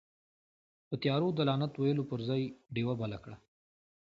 په تيارو ده لعنت ويلو پر ځئ، ډيوه بله کړه.